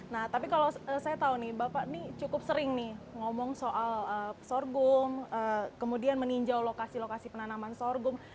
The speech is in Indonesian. nah tapi kalau saya tahu nih bapak ini cukup sering nih ngomong soal sorghum kemudian meninjau lokasi lokasi penanaman sorghum